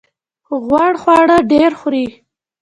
غوړ خواړه ډیر خورئ؟